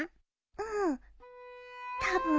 うんたぶん。